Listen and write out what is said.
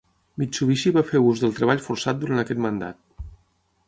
Mitsubishi va fer ús del treball forçat durant aquest mandat.